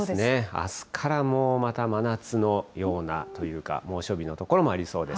あすからもまた真夏のような、というか、猛暑日の所もありそうです。